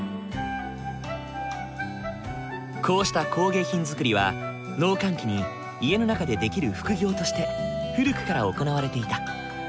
こうした工芸品作りは農閑期に家の中でできる副業として古くから行われていた。